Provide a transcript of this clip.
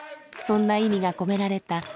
そんな意味が込められた